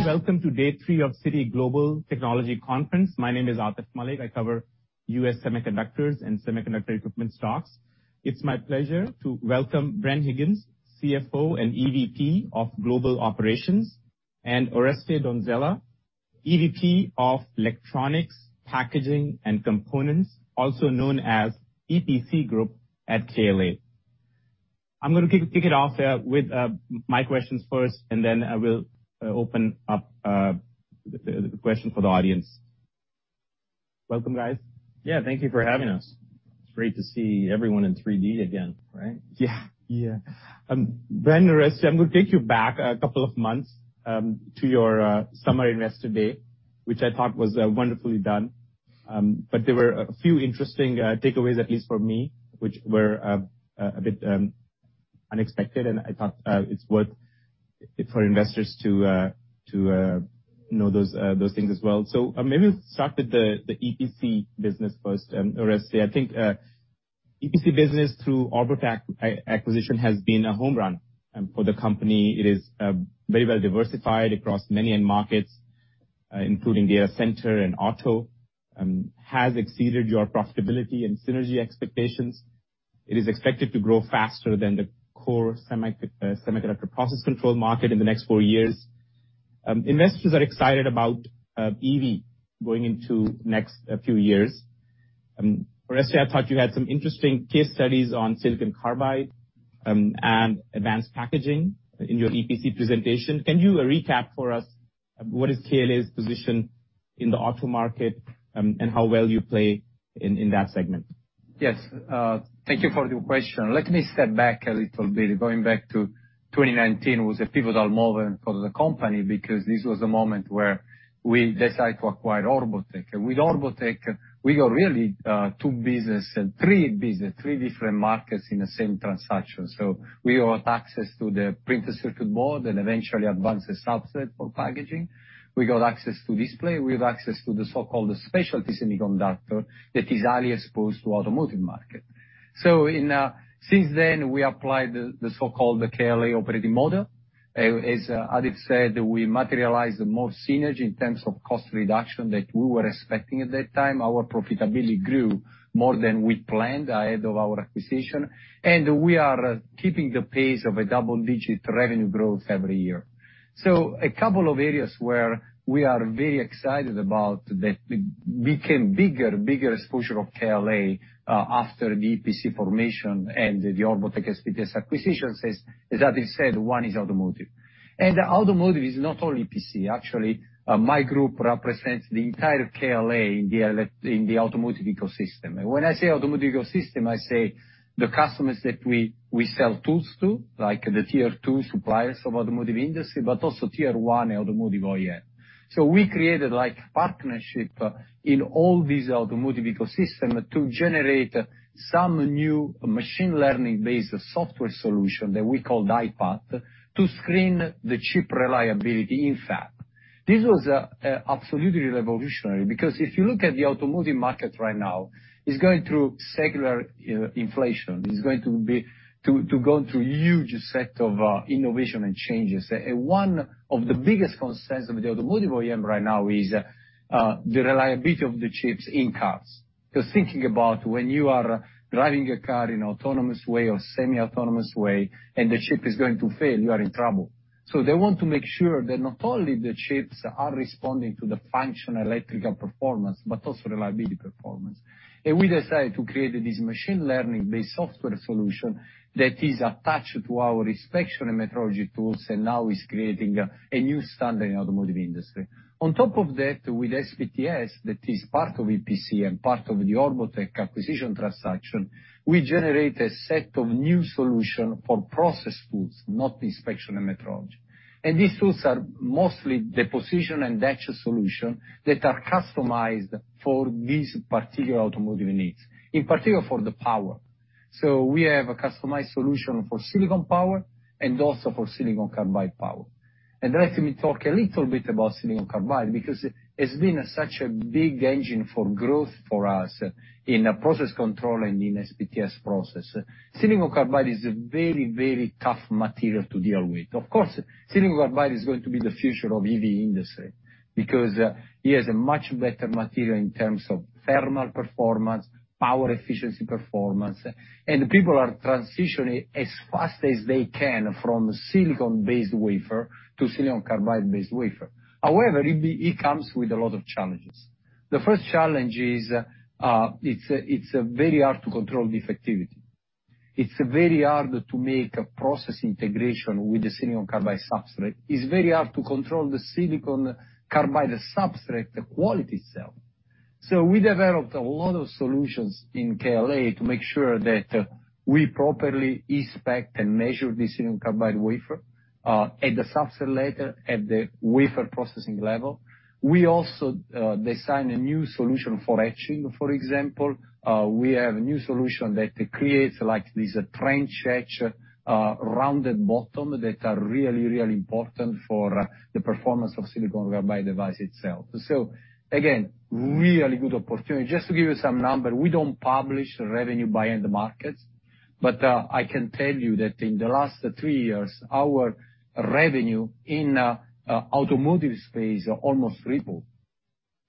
Everyone, welcome to day three of Citi Global Technology Conference. My name is Atif Malik. I cover U.S. semiconductors and semiconductor equipment stocks. It's my pleasure to welcome Bren Higgins, Chief Financial Officer and Executive Vice President of Global Operations, and Oreste Donzella, Executive Vice President Of Electronics, Packaging and Components, also known as EPC Group at KLA. I'm gonna kick it off with my questions first, and then I will open up the question for the audience. Welcome, guys. Yeah, thank you for having us. It's great to see everyone in 3D again, right? Yeah. Yeah. Bren, Oreste, I'm gonna take you back a couple of months to your summer investor day, which I thought was wonderfully done. There were a few interesting takeaways, at least for me, which were a bit unexpected, and I thought it's worth it for investors to know those things as well. Maybe we'll start with the EPC business first. Oreste, I think Electronics, Packaging and Components business through Orbotech acquisition has been a home run for the company. It is very well diversified across many end markets, including data center and auto, has exceeded your profitability and synergy expectations. It is expected to grow faster than the core semiconductor process control market in the next four years. Investors are excited about EV going into next few years. Oreste, I thought you had some interesting case studies on silicon carbide and advanced packaging in your EPC presentation. Can you recap for us what is KLA's position in the auto market and how well you play in that segment? Yes. Thank you for the question. Let me step back a little bit. Going back to 2019 was a pivotal moment for the company because this was the moment where we decided to acquire Orbotech. With Orbotech, we got really three different markets in the same transaction. We got access to the printed circuit board and advanced packaging. We got access to display, we have access to the so-called specialty semiconductor that is highly exposed to automotive market. Since then we applied the so-called KLA operating model. As Atif said, we materialize more synergy in terms of cost reduction than we were expecting at that time. Our profitability grew more than we planned ahead of our acquisition, and we are keeping the pace of a double-digit revenue growth every year. A couple of areas where we are very excited about that became bigger exposure of KLA after the EPC formation and the Orbotech SPTS acquisition, as Atif said, one is automotive. Automotive is not only PCB. Actually, my group represents the entire KLA in the automotive ecosystem. When I say automotive ecosystem, I say the customers that we sell tools to, like the tier two suppliers of automotive industry, but also tier one automotive OEM. We created like partnership in all these automotive ecosystem to generate some new machine learning-based software solution that we call I-PAT to screen the chip reliability in fab. This was absolutely revolutionary because if you look at the automotive market right now, it's going through secular inflection. It's going to go through huge set of innovation and changes. One of the biggest concerns of the automotive OEM right now is the reliability of the chips in cars. Because thinking about when you are driving a car in autonomous way or semi-autonomous way and the chip is going to fail, you are in trouble. They want to make sure that not only the chips are responding to the functional electrical performance, but also reliability performance. We decided to create this machine learning-based software solution that is attached to our inspection and metrology tools and now is creating a new standard in automotive industry. On top of that, with SPTS, that is part of EPC and part of the Orbotech acquisition transaction, we generate a set of new solutions for process tools, not inspection and metrology. These tools are mostly deposition and etch solution that are customized for these particular automotive needs, in particular for the power. We have a customized solution for silicon power and also for silicon carbide power. Let me talk a little bit about silicon carbide, because it's been such a big engine for growth for us in process control and in SPTS process. Silicon carbide is a very, very tough material to deal with. Of course, silicon carbide is going to be the future of EV industry because it is a much better material in terms of thermal performance, power efficiency performance, and people are transitioning as fast as they can from silicon-based wafer to silicon carbide-based wafer. However, it comes with a lot of challenges. The first challenge is, it's very hard to control the defectivity. It's very hard to make a process integration with the silicon carbide substrate. It's very hard to control the silicon carbide substrate, the quality itself. We developed a lot of solutions in KLA to make sure that we properly inspect and measure the silicon carbide wafer at the substrate level, at the wafer processing level. We also design a new solution for etching, for example. We have a new solution that creates like this trench etch, rounded bottom that are really, really important for the performance of silicon carbide device itself. Again, really good opportunity. Just to give you some numbers, we don't publish revenue by end markets, but I can tell you that in the last three years, our revenue in automotive space almost tripled.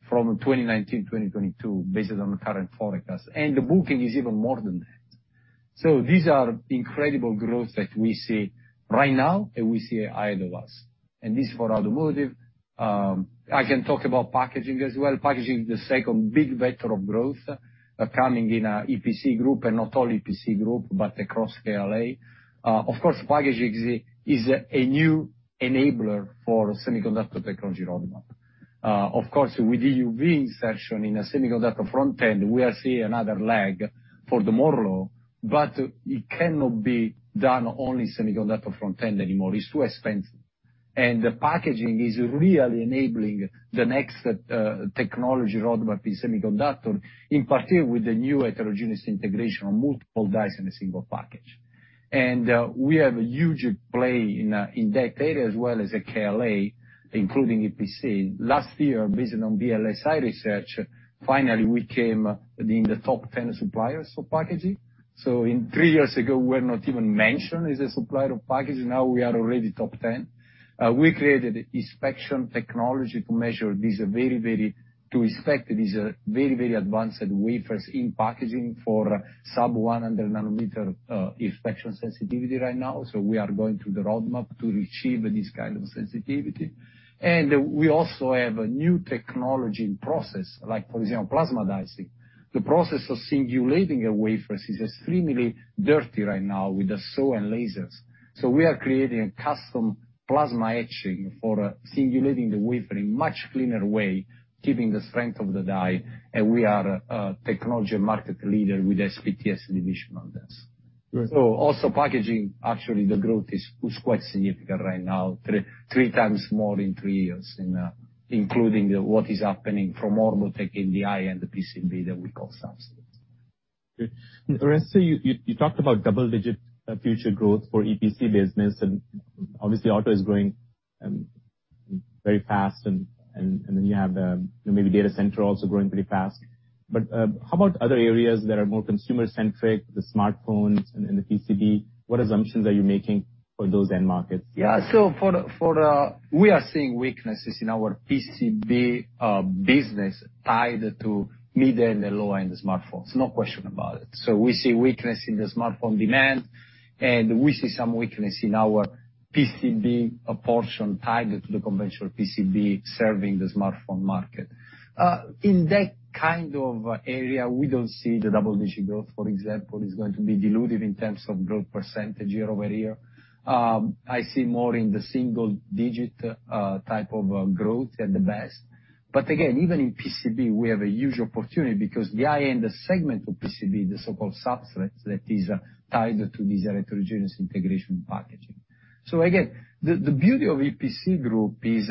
From 2019, 2022 based on the current forecast, and the booking is even more than that. These are incredible growth that we see right now, and we see ahead of us. This is for automotive. I can talk about packaging as well. Packaging is the second big vector of growth coming in our EPC group and not all EPC group, but across KLA. Of course, packaging is a new enabler for semiconductor technology roadmap. Of course, with EUV insertion in a semiconductor front-end, we are seeing another leg for Moore, but it cannot be done only semiconductor front-end anymore. It's too expensive. The packaging is really enabling the next technology roadmap in semiconductor, in particular with the new heterogeneous integration of multiple dies in a single package. We have a huge play in that area as well as a KLA, including EPC. Last year, based on VLSI Research, finally we came in the top 10 suppliers for packaging. In three years ago, we're not even mentioned as a supplier of packaging. Now we are already top 10. We created inspection technology to inspect these very, very advanced wafers in packaging for sub-100nm inspection sensitivity right now. We are going through the roadmap to achieve this kind of sensitivity. We also have a new technology in process, like for example, plasma dicing. The process of singulating a wafer is extremely dirty right now with the saw and lasers. We are creating a custom plasma etching for singulating the wafer in much cleaner way, keeping the strength of the die, and we are a technology market leader with SPTS division on this. Also packaging, actually the growth was quite significant right now, three times more in three years in, including what is happening from Orbotech NDI and the PCB that we call substrates. Okay. Oreste, you talked about double-digit future growth for EPC business, and obviously auto is growing very fast and then you have maybe data center also growing pretty fast. How about other areas that are more consumer-centric, the smartphones and the PCB? What assumptions are you making for those end markets? We are seeing weaknesses in our PCB business tied to mid-end and low-end smartphones. No question about it. We see weakness in the smartphone demand, and we see some weakness in our PCB portion tied to the conventional PCB serving the smartphone market. In that kind of area, we don't see the double-digit growth, for example, is going to be diluted in terms of growth percentage year-over-year. I see more in the single digit type of growth at the best. Again, even in PCB, we have a huge opportunity because the high-end segment of PCB, the so-called substrates, that is tied to this heterogeneous integration packaging. Again, the beauty of EPC Group is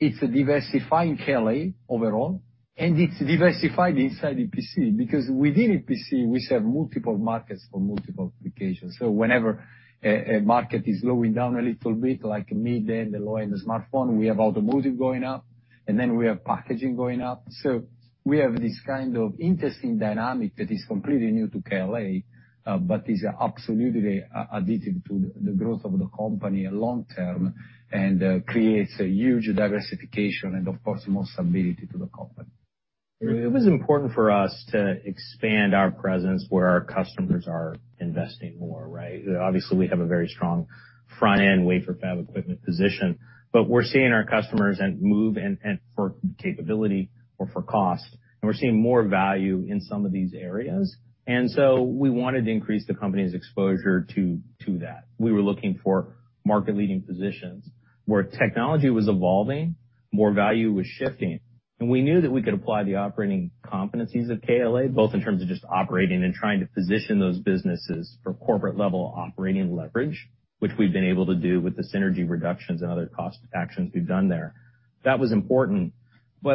it's diversifying KLA overall, and it's diversified inside EPC because within EPC we serve multiple markets for multiple applications. Whenever a market is slowing down a little bit, like mid and the low-end smartphone, we have automotive going up, and then we have packaging going up. We have this kind of interesting dynamic that is completely new to KLA, but is absolutely addictive to the growth of the company long term and creates a huge diversification and of course more stability to the company. It was important for us to expand our presence where our customers are investing more, right? Obviously, we have a very strong front-end wafer fab equipment position, but we're seeing our customers move and for capability or for cost, and we're seeing more value in some of these areas. We wanted to increase the company's exposure to that. We were looking for market-leading positions where technology was evolving, more value was shifting, and we knew that we could apply the operating competencies of KLA, both in terms of just operating and trying to position those businesses for corporate-level operating leverage, which we've been able to do with the synergy reductions and other cost actions we've done there. That was important.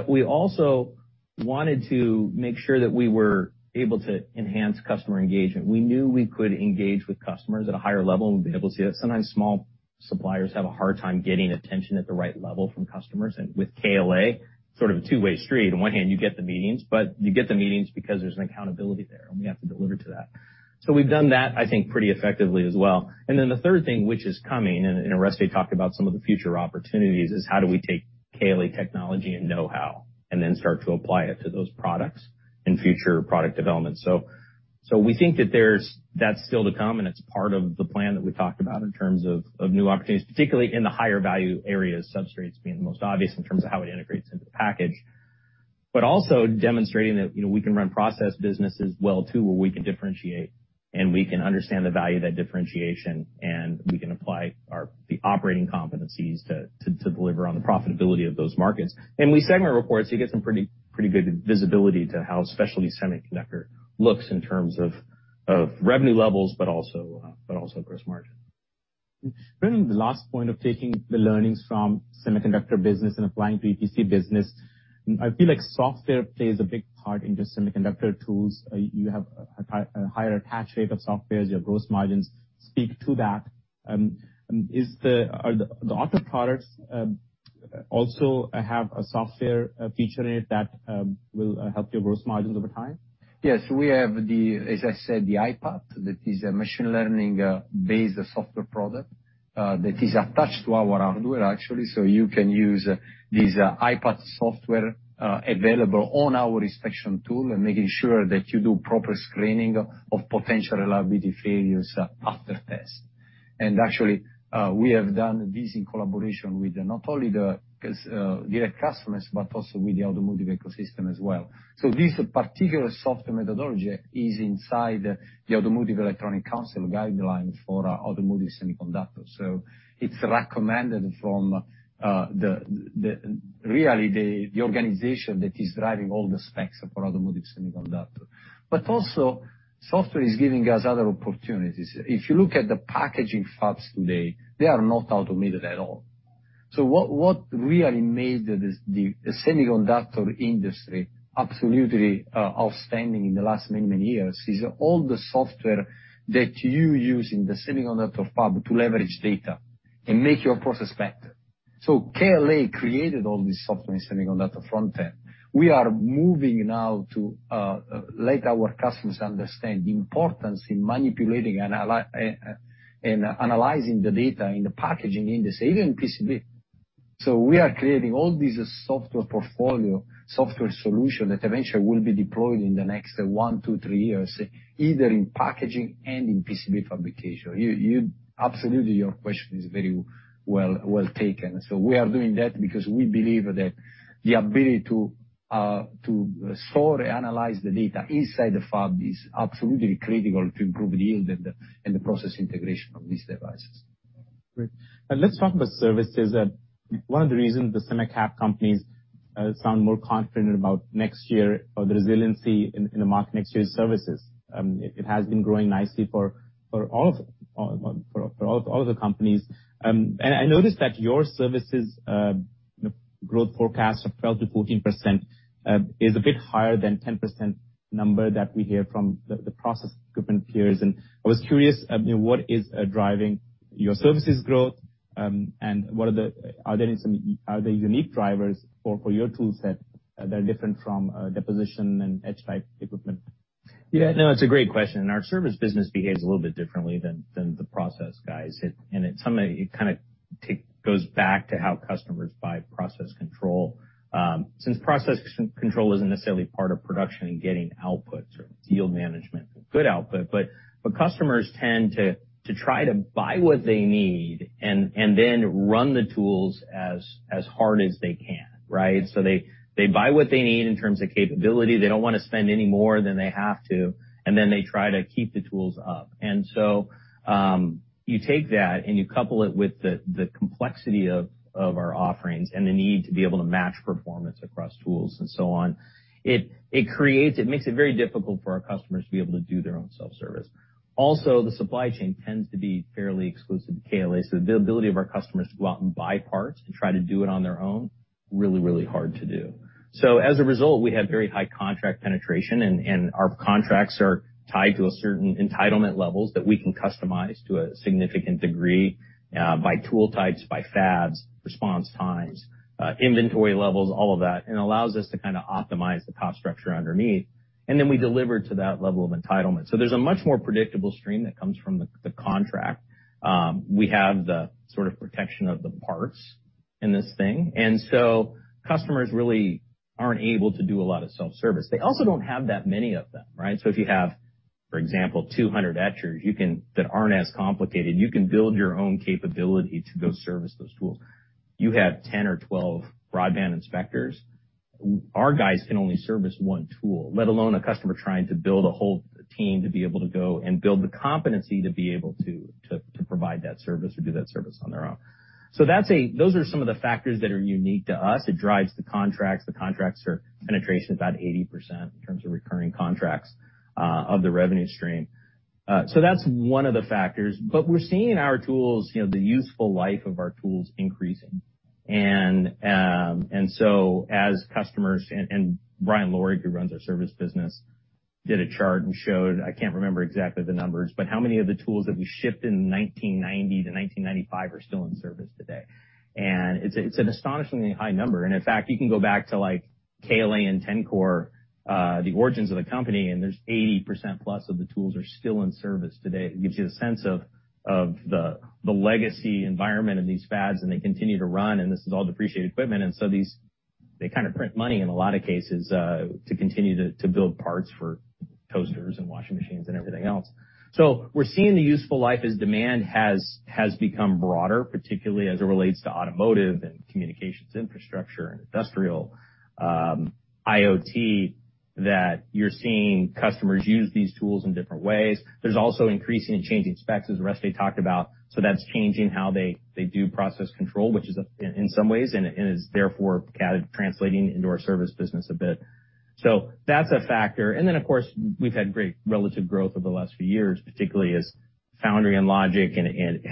We also wanted to make sure that we were able to enhance customer engagement. We knew we could engage with customers at a higher level and be able to. Sometimes small suppliers have a hard time getting attention at the right level from customers. With KLA, sort of a two-way street. On one hand, you get the meetings, but you get the meetings because there's an accountability there, and we have to deliver to that. We've done that, I think, pretty effectively as well. Then the third thing, which is coming, and Oreste Donzella talked about some of the future opportunities, is how do we take KLA technology and know-how and then start to apply it to those products in future product development. We think that there's that still to come, and it's part of the plan that we talked about in terms of new opportunities, particularly in the higher value areas, substrates being the most obvious in terms of how it integrates into the package. Also demonstrating that, you know, we can run process businesses well too, where we can differentiate and we can understand the value of that differentiation, and we can apply our the operating competencies to deliver on the profitability of those markets. We segment reports, you get some pretty good visibility to how specialty semiconductor looks in terms of revenue levels, but also gross margin. During the last point of taking the learnings from semiconductor business and applying to EPC business, I feel like software plays a big part in the semiconductor tools. You have a higher attach rate of softwares, your gross margins speak to that. Are the auto products also have a software feature in it that will help your gross margins over time? Yes. We have the, as I said, the I-PAT, that is a machine learning based software product. That is attached to our hardware actually, so you can use these I-PAT software available on our inspection tool and making sure that you do proper screening of potential reliability failures after test. Actually, we have done this in collaboration with not only the direct customers, but also with the automotive ecosystem as well. This particular software methodology is inside the Automotive Electronics Council guideline for automotive semiconductors. It's recommended from really the organization that is driving all the specs for automotive semiconductor. Also software is giving us other opportunities. If you look at the packaging fabs today, they are not automated at all. What really made the semiconductor industry absolutely outstanding in the last many years is all the software that you use in the semiconductor fab to leverage data and make your process better. KLA created all this software in semiconductor front end. We are moving now to let our customers understand the importance in manipulating and analyzing the data in the packaging industry, even PCB. We are creating all this software portfolio, software solution that eventually will be deployed in the next one to three years, either in packaging and in PCB fabrication. You absolutely, your question is very well taken. We are doing that because we believe that the ability to store and analyze the data inside the fab is absolutely critical to improve yield and the process integration of these devices. Great. Let's talk about services. One of the reasons the semi cap companies sound more confident about next year or the resiliency in the market next year is services. It has been growing nicely for all of the companies. I noticed that your services growth forecast of 12%-14% is a bit higher than 10% number that we hear from the process equipment peers. I was curious, I mean, what is driving your services growth, and are there unique drivers for your tool set that are different from deposition and etch-type equipment? Yeah, no, it's a great question, and our service business behaves a little bit differently than the process guys. It goes back to how customers buy process control. Since process control isn't necessarily part of production in getting outputs or yield management, good output. Customers tend to try to buy what they need and then run the tools as hard as they can, right? They buy what they need in terms of capability. They don't wanna spend any more than they have to, and then they try to keep the tools up. You take that, and you couple it with the complexity of our offerings and the need to be able to match performance across tools and so on. It makes it very difficult for our customers to be able to do their own self-service. Also, the supply chain tends to be fairly exclusive to KLA, so the ability of our customers to go out and buy parts to try to do it on their own, really, really hard to do. As a result, we have very high contract penetration, and our contracts are tied to a certain entitlement levels that we can customize to a significant degree, by tool types, by fabs, response times, inventory levels, all of that, and allows us to kind of optimize the cost structure underneath, and then we deliver to that level of entitlement. There's a much more predictable stream that comes from the contract. We have the sort of protection of the parts in this thing, and so customers really aren't able to do a lot of self-service. They also don't have that many of them, right? So if you have, for example, 200 etchers that aren't as complicated, you can build your own capability to go service those tools. You have 10 broadband inspectors or 12 broadband inspectors, our guys can only service one tool, let alone a customer trying to build a whole team to be able to go and build the competency to provide that service or do that service on their own. So those are some of the factors that are unique to us. It drives the contracts. The contracts are penetration about 80% in terms of recurring contracts, of the revenue stream. That's one of the factors. We're seeing in our tools, you know, the useful life of our tools increasing. As customers and Brian Lorig, who runs our service business, did a chart and showed, I can't remember exactly the numbers, but how many of the tools that we shipped in 1990-1995 are still in service today. It's an astonishingly high number. In fact, you can go back to, like, KLA and Tencor, the origins of the company, and there's 80% plus of the tools are still in service today. It gives you the sense of the legacy environment of these fabs, and they continue to run, and this is all depreciated equipment. These, they kind of print money in a lot of cases to continue to build parts for toasters and washing machines and everything else. We're seeing the useful life as demand has become broader, particularly as it relates to automotive and communications infrastructure and industrial IoT, that you're seeing customers use these tools in different ways. There's also increasing and changing specs, as Oreste talked about, so that's changing how they do process control, which is in some ways and is therefore kind of translating into our service business a bit. That's a factor. Of course, we've had great relative growth over the last few years, particularly as foundry and logic and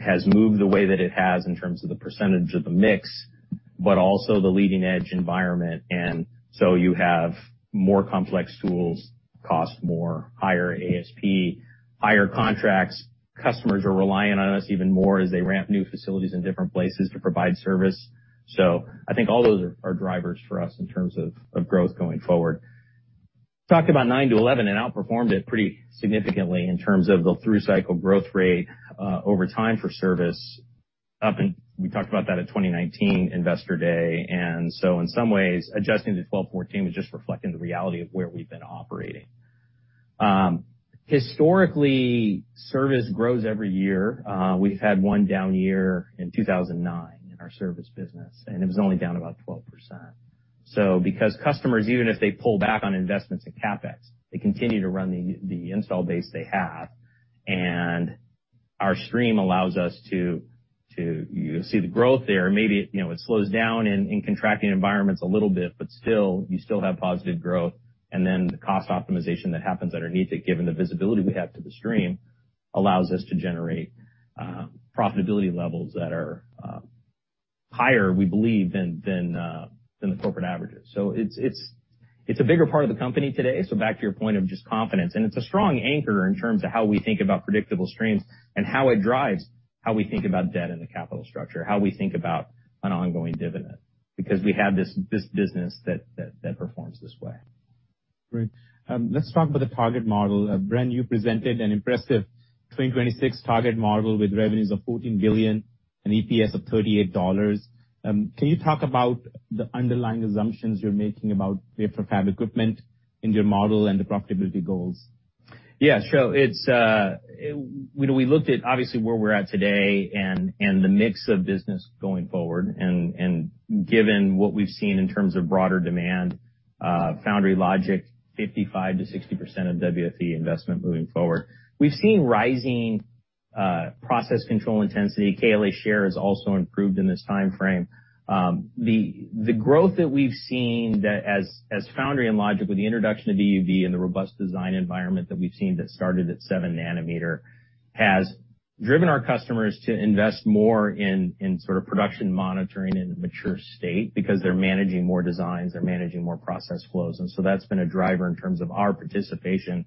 has moved the way that it has in terms of the percentage of the mix, but also the leading-edge environment. You have more complex tools, cost more, higher ASP, higher contracts. Customers are relying on us even more as they ramp new facilities in different places to provide service. I think all those are drivers for us in terms of growth going forward. We talked about 9%-11% and outperformed it pretty significantly in terms of the through cycle growth rate over time for service. We talked about that at 2019 investor day. In some ways, adjusting to 12%-14% was just reflecting the reality of where we've been operating. Historically, service grows every year. We've had one down year in 2009 in our service business, and it was only down about 12%. Because customers, even if they pull back on investments in CapEx, they continue to run the install base they have. Our stream allows us to, you see, the growth there. Maybe, you know, it slows down in contracting environments a little bit, but still, you still have positive growth. Then the cost optimization that happens underneath it, given the visibility we have to the stream, allows us to generate profitability levels that are higher, we believe, than the corporate averages. It's a bigger part of the company today. Back to your point of just confidence, and it's a strong anchor in terms of how we think about predictable streams and how it drives how we think about debt in the capital structure, how we think about an ongoing dividend because we have this business that performs this way. Great. Let's talk about the target model. Bren, you presented an impressive 2026 target model with revenues of $14 billion and EPS of $38. Can you talk about the underlying assumptions you're making about wafer fab equipment in your model and the profitability goals? Yeah, sure. It's we looked at obviously where we're at today and the mix of business going forward, and given what we've seen in terms of broader demand, foundry logic, 55%-60% of WFE investment moving forward. We've seen rising process control intensity. KLA share has also improved in this time frame. The growth that we've seen as foundry and logic with the introduction of EUV and the robust design environment that we've seen that started at 7nm has driven our customers to invest more in sort of production monitoring in a mature state because they're managing more designs, they're managing more process flows. That's been a driver in terms of our participation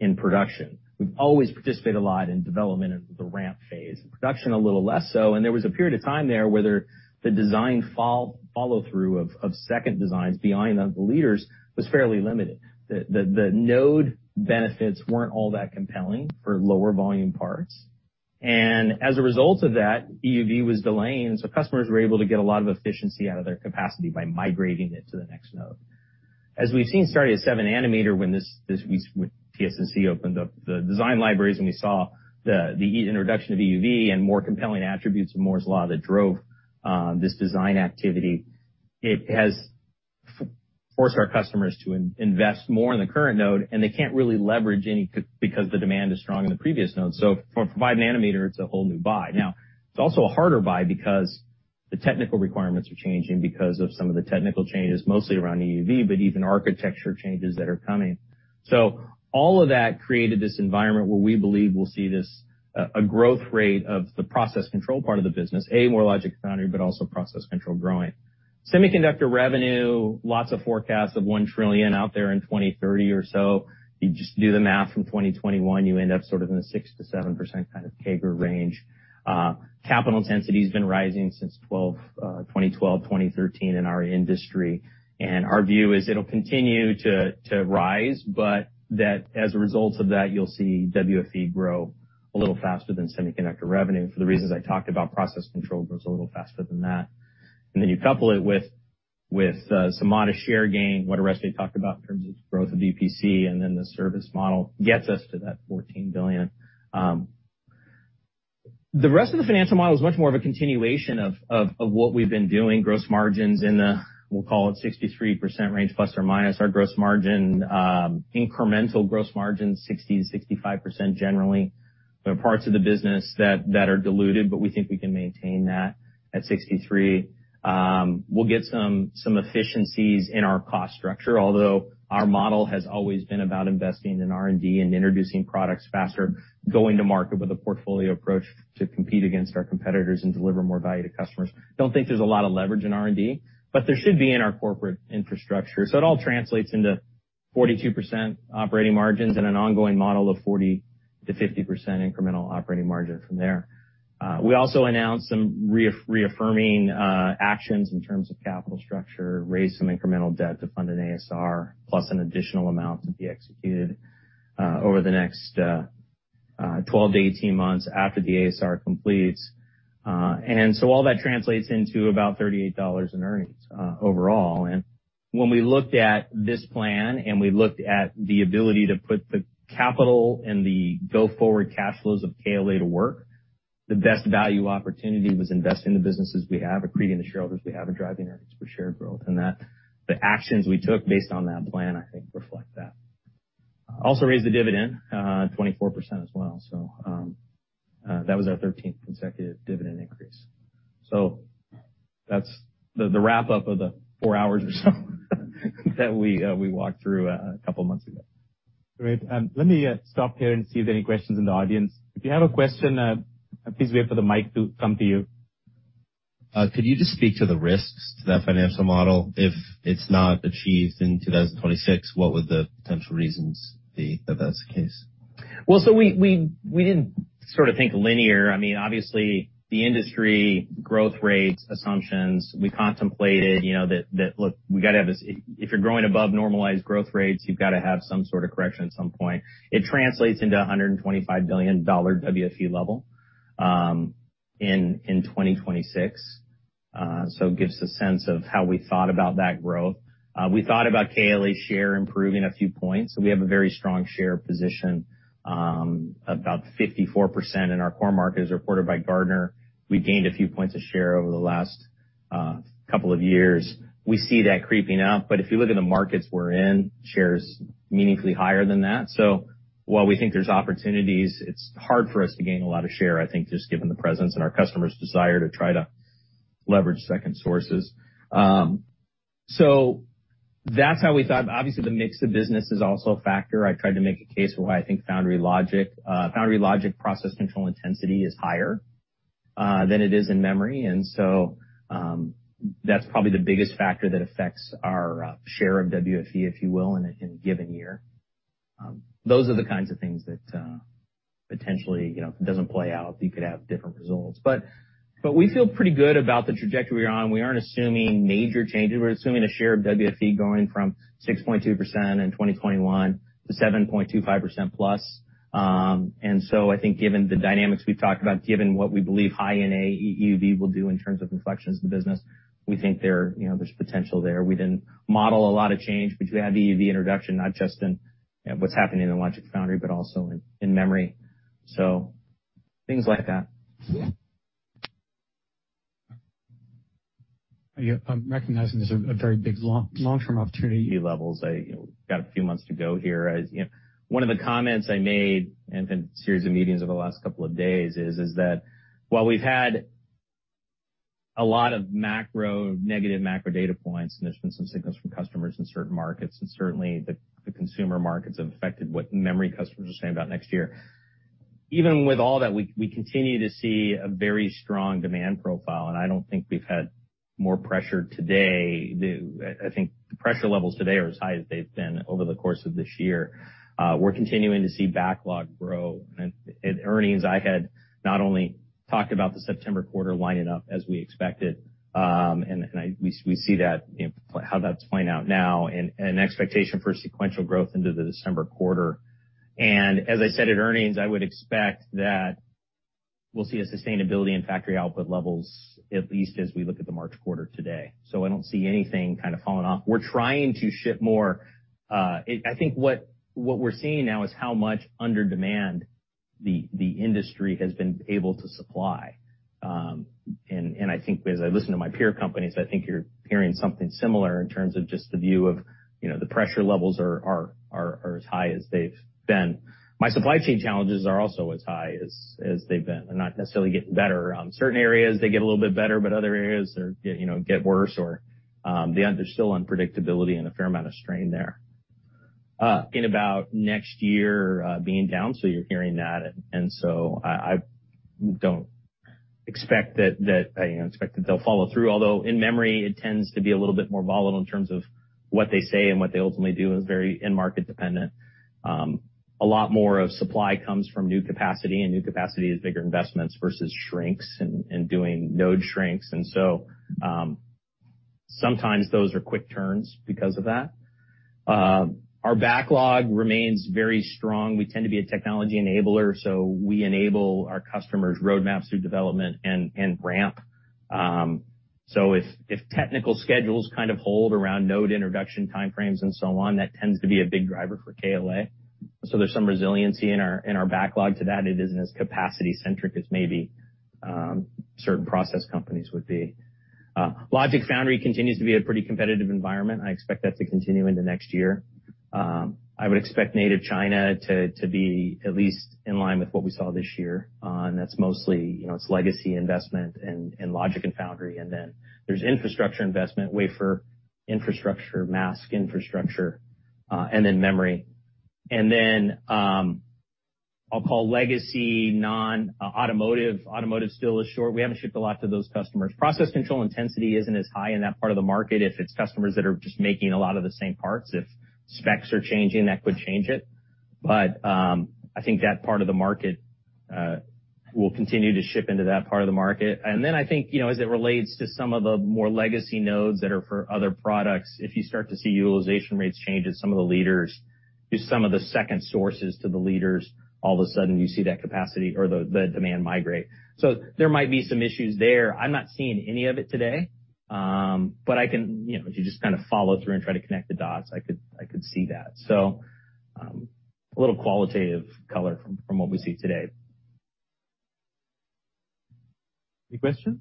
in production. We've always participated a lot in development and the ramp phase. Production, a little less so. There was a period of time there where the design follow-through of second designs behind the leaders was fairly limited. The node benefits weren't all that compelling for lower volume parts. As a result of that, EUV was delaying, so customers were able to get a lot of efficiency out of their capacity by migrating it to the next node. As we've seen started at 7nm, when TSMC opened up the design libraries, and we saw the introduction of EUV and more compelling attributes of Moore's Law that drove this design activity, it has forced our customers to invest more in the current node, and they can't really leverage any because the demand is strong in the previous node. For 5nm, it's a whole new buy. Now, it's also a harder buy because the technical requirements are changing because of some of the technical changes, mostly around EUV, but even architecture changes that are coming. All of that created this environment where we believe we'll see this, a growth rate of the process control part of the business, a more logic foundry, but also process control growing. Semiconductor revenue, lots of forecasts of 1 trillion out there in 2030 or so. You just do the math from 2021, you end up sort of in the 6%-7% kind of CAGR range. Capital intensity has been rising since 2012, 2013 in our industry, and our view is it'll continue to rise, but as a result of that, you'll see WFE grow a little faster than semiconductor revenue. For the reasons I talked about, process control grows a little faster than that. You couple it with some modest share gain, what Oreste talked about in terms of growth of EPC, and then the service model gets us to that $14 billion. The rest of the financial model is much more of a continuation of what we've been doing. Gross margins in the, we'll call it 63% range plus or minus our gross margin. Incremental gross margin 60%-65% generally. There are parts of the business that are diluted, but we think we can maintain that at 63%. We'll get some efficiencies in our cost structure, although our model has always been about investing in R&D and introducing products faster, going to market with a portfolio approach to compete against our competitors and deliver more value to customers. Don't think there's a lot of leverage in R&D, but there should be in our corporate infrastructure. It all translates into 42% operating margins and an ongoing model of 40%-50% incremental operating margin from there. We also announced some reaffirming actions in terms of capital structure, raised some incremental debt to fund an ASR, plus an additional amount to be executed over the next 12 months-18 months after the ASR completes. All that translates into about $38 in earnings overall. When we looked at this plan, and we looked at the ability to put the capital and the go-forward cash flows of KLA to work, the best value opportunity was invest in the businesses we have, accreting the shareholders we have, and driving earnings per share growth. That the actions we took based on that plan, I think reflect that. Also raised the dividend, 24% as well. That was our thirteenth consecutive dividend increase. That's the wrap up of the four hours or so that we walked through a couple of months ago. Great. Let me stop here and see if there are any questions in the audience. If you have a question, please wait for the mic to come to you. Could you just speak to the risks to that financial model? If it's not achieved in 2026, what would the potential reasons be that that's the case? Well, we didn't sort of think linear. I mean, obviously, the industry growth rates assumptions, we contemplated, you know, that look, we gotta have some sort of correction at some point. It translates into a $125 billion WFE level in 2026. It gives a sense of how we thought about that growth. We thought about KLA share improving a few points. We have a very strong share position, about 54% in our core market, as reported by Gartner. We gained a few points of share over the last couple of years. We see that creeping up, but if you look at the markets we're in, share is meaningfully higher than that. While we think there's opportunities, it's hard for us to gain a lot of share, I think, just given the presence and our customer's desire to try to leverage second sources. That's how we thought. Obviously, the mix of business is also a factor. I tried to make a case for why I think foundry logic process control intensity is higher than it is in memory. That's probably the biggest factor that affects our share of WFE, if you will, in a given year. Those are the kinds of things that, potentially, you know, if it doesn't play out, you could have different results. We feel pretty good about the trajectory we're on. We aren't assuming major changes. We're assuming a share of WFE going from 6.2% in 2021 to 7.25%+. I think given the dynamics we've talked about, given what we believe high NA EUV will do in terms of reflections of the business, we think there, you know, there's potential there. We didn't model a lot of change, but you have EUV introduction, not just in, you know, what's happening in logic foundry, but also in memory. Things like that. Yeah. I'm recognizing there's a very big long-term opportunity. I, you know, got a few months to go here. As you know, one of the comments I made in a series of meetings over the last couple of days is that while we've had a lot of macro, negative macro data points, and there's been some signals from customers in certain markets, and certainly the consumer markets have affected what memory customers are saying about next year. Even with all that, we continue to see a very strong demand profile, and I don't think we've had more pressure today. I think the pressure levels today are as high as they've been over the course of this year. We're continuing to see backlog grow. At earnings, I had not only talked about the September quarter lining up as we expected, and we see that, you know, how that's playing out now and expectation for sequential growth into the December quarter. As I said at earnings, I would expect that we'll see a sustainability in factory output levels, at least as we look at the March quarter today. I don't see anything kind of falling off. We're trying to ship more. I think what we're seeing now is how much under demand the industry has been able to supply. I think as I listen to my peer companies, I think you're hearing something similar in terms of just the view of, you know, the pressure levels are as high as they've been. My supply chain challenges are also as high as they've been. They're not necessarily getting better. Certain areas, they get a little bit better, but other areas they get, you know, worse or there's still unpredictability and a fair amount of strain there. In about next year being down, so you're hearing that. I don't expect that. I expect that they'll follow through, although in memory, it tends to be a little bit more volatile in terms of what they say and what they ultimately do, and it's very end market dependent. A lot more of supply comes from new capacity, and new capacity is bigger investments versus shrinks and doing node shrinks. Sometimes those are quick turns because of that. Our backlog remains very strong. We tend to be a technology enabler, so we enable our customers' roadmaps through development and ramp. If technical schedules kind of hold around node introduction timeframes and so on, that tends to be a big driver for KLA. There's some resiliency in our backlog to that. It isn't as capacity-centric as maybe certain process companies would be. Logic and foundry continues to be a pretty competitive environment. I expect that to continue into next year. I would expect mainland China to be at least in line with what we saw this year, and that's mostly, you know, it's legacy investment in logic and foundry. Infrastructure investment, wafer infrastructure, mask infrastructure, and then memory. I'll call legacy non-automotive. Automotive still is short. We haven't shipped a lot to those customers. Process control intensity isn't as high in that part of the market if it's customers that are just making a lot of the same parts. If specs are changing, that could change it. I think that part of the market, we'll continue to ship into that part of the market. I think, you know, as it relates to some of the more legacy nodes that are for other products, if you start to see utilization rates change as some of the leaders do some of the second sources to the leaders, all of a sudden you see that capacity or the demand migrate. There might be some issues there. I'm not seeing any of it today. I can, you know, if you just kind of follow through and try to connect the dots, I could see that. A little qualitative color from what we see today. Any questions?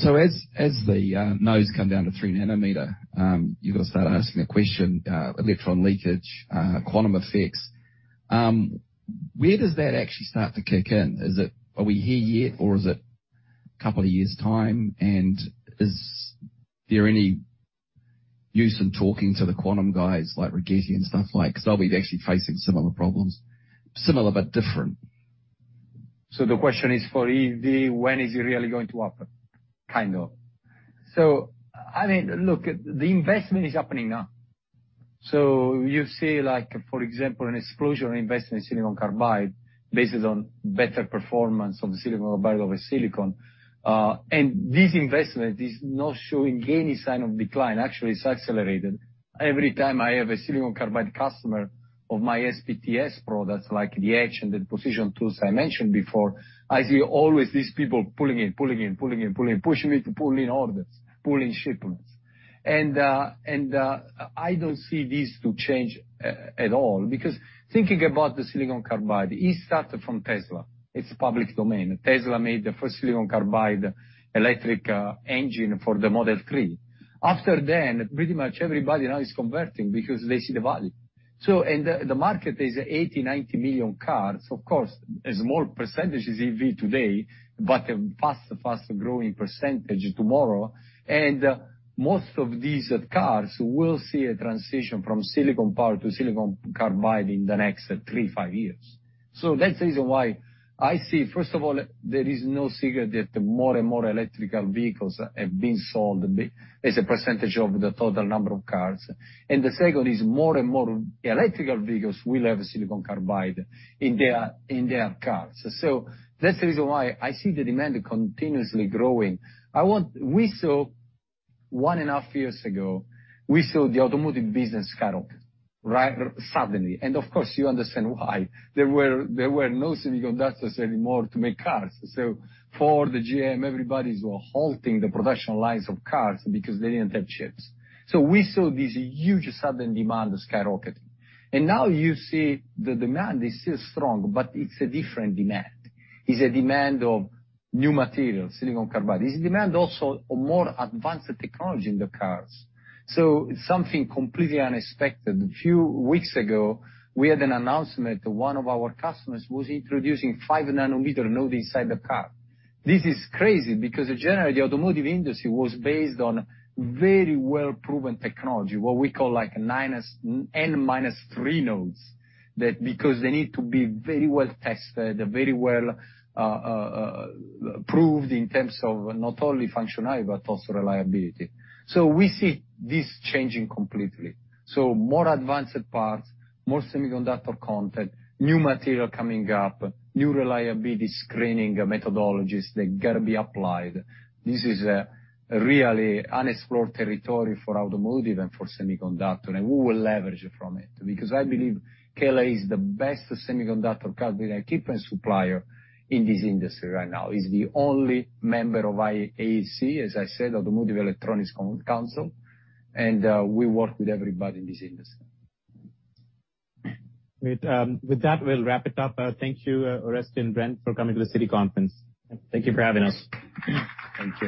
As the nodes come down to 3nm, you've got to start asking the question, electron leakage, quantum effects. Where does that actually start to kick in? Is it? Are we here yet or is it a couple of years' time? Is there any use in talking to the quantum guys like Rigetti and stuff like, because they'll be actually facing similar problems. Similar, but different. The question is for EV, when is it really going to happen? I mean, look, the investment is happening now. You see, like for example, an explosion of investment in silicon carbide based on better performance of the silicon carbide over silicon. This investment is not showing any sign of decline. Actually, it's accelerated. Every time I have a silicon carbide customer of my SPTS products, like the etch and the precision tools I mentioned before, I see always these people pulling in, pushing me to pull in orders, pull in shipments. I don't see this to change at all, because thinking about the silicon carbide, it started from Tesla. It's public domain. Tesla made the first silicon carbide electric engine for the Model 3. Pretty much everybody now is converting because they see the value. The market is 80 million cars-90 million cars. Of course, it's more percent EV today, but a faster growing percentage tomorrow. Most of these cars will see a transition from silicon power to silicon carbide in the next three, five years. That's the reason why I see, first of all, there is no secret that more and more electric vehicles have been sold as a percentage of the total number of cars. The second is more and more electric vehicles will have silicon carbide in their cars. That's the reason why I see the demand continuously growing. We saw, 1.5 years ago, the automotive business skyrocket, right, suddenly. Of course you understand why. There were no semiconductors anymore to make cars. Ford, the GM, everybody's halting the production lines of cars because they didn't have chips. We saw this huge sudden demand skyrocketing. Now you see the demand is still strong, but it's a different demand. It's a demand of new material, silicon carbide. It's a demand also of more advanced technology in the cars. Something completely unexpected. A few weeks ago, we had an announcement that one of our customers was introducing 5nm node inside the car. This is crazy because generally, the automotive industry was based on very well proven technology, what we call like N-3 nodes. That's because they need to be very well tested, very well proved in terms of not only functionality but also reliability. We see this changing completely. More advanced parts, more semiconductor content, new material coming up, new reliability screening methodologies that gotta be applied. This is a really unexplored territory for automotive and for semiconductor, and we will leverage from it, because I believe KLA is the best semiconductor capital equipment supplier in this industry right now. It's the only member of AEC, as I said, Automotive Electronics Council, and we work with everybody in this industry. With that, we'll wrap it up. Thank you, Oreste and Bren, for coming to the Citi Conference. Thank you for having us. Thank you.